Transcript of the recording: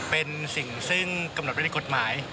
เป็นสิ่งซึ่งกำหนดไว้ในกฎหมาย